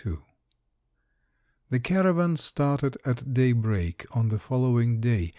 XXII The caravan started at daybreak on the following day.